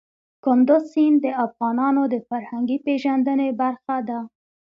کندز سیند د افغانانو د فرهنګي پیژندنې برخه ده.